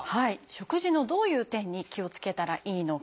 食事のどういう点に気をつけたらいいのか。